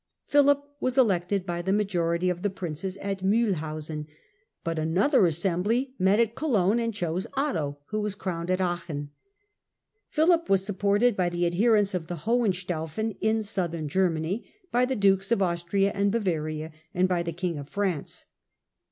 Philip was elected by the majority of the princes at Miihlhausen, but another assembly met at Cologne and chose Otto, who was crowned at Aachen. Philip was supported by the adherents of the Hohenstaufen in southern Germany, by the Dukes of Austria and Bavaria and by the King of France.